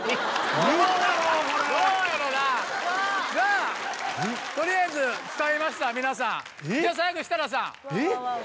どうだろうこれは！さあとりあえず伝えました皆さん最後設楽さんええ！？